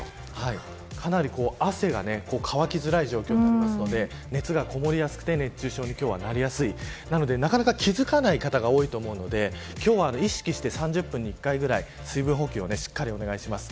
かなり汗が乾きづらい状況になりますので熱がこもりやすくて今日は熱中症になりやすいなのでなかなか気付かない方が多いと思うので今日は意識して、３０分に１回ぐらい、水分補給をしっかりお願いします。